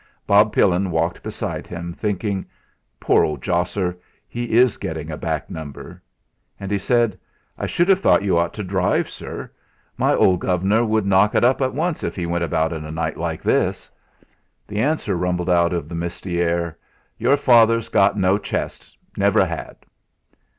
Bob Pillin walked beside him, thinking: 'Poor old josser, he is gettin' a back number!' And he said: "I should have thought you ought to drive, sir. My old guv'nor would knock up at once if he went about at night like this." The answer rumbled out into the misty air: "Your father's got no chest; never had."